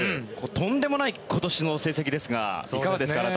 とんでもない今年の成績ですがいかがですか。